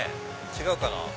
違うかな？